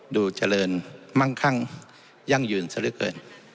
ดูเจริญมั่งคั่งยั่งยืนซะเหลือเกิน